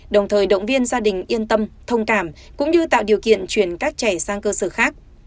đồng thời động viên gia đình yên tâm thông cảm cũng như tạo điều kiện chuyển các trẻ sang cơ sở khác